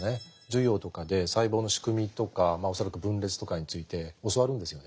授業とかで細胞の仕組みとか恐らく分裂とかについて教わるんですよね。